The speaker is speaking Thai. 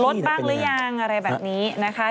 ลดบ้างหรือยังอะไรแบบนี้นะคะ